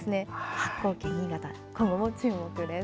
発酵県、新潟、今後も注目です。